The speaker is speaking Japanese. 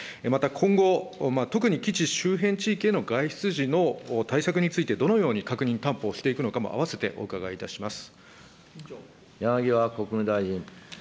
また今後、特に基地周辺地域への外出時の対策について、どのように確認、担保をしていくのかも併山際国務大臣。